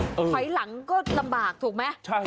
ทอยหลังก็ลำบากถูกมั้ย